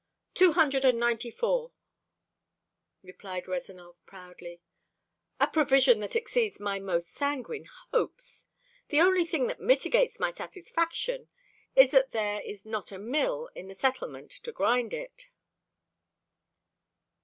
"Two hundred and ninety four," replied Rezanov proudly. "A provision that exceeds my most sanguine hopes. The only thing that mitigates my satisfaction is that there is not a mill in the settlement to grind it."